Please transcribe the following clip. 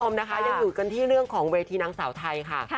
ยังอยู่กันที่เรื่องของเวทีนางสาวไทยค่ะ